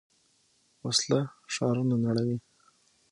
وسله ښارونه نړوي